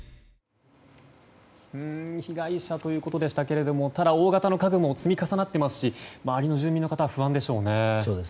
被害者ということでしたけれどただ、大型の家具も積み重なってますし周りの住民の方は不安でしょうね。